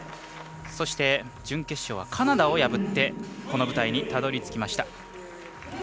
そして、準決勝はカナダを破ってこの舞台にたどり着きました。